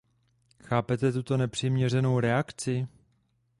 Chápete tuto nepřiměřenou reakci?